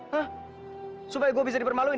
hah supaya gue bisa dipermaluin